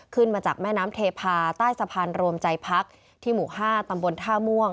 ขึ้นมาจากแม่น้ำเทพาใต้สะพานรวมใจพักที่หมู่๕ตำบลท่าม่วง